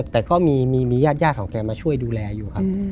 แต่ก็มีญาติของแกมาช่วยดูแลอยู่ครับ